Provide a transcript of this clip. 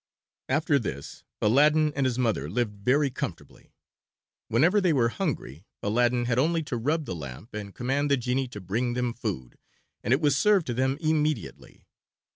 After this Aladdin and his mother lived very comfortably. Whenever they were hungry Aladdin had only to rub the lamp and command the genie to bring them food, and it was served to them immediately.